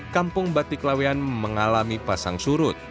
kampung batik lawean mengalami pasang surut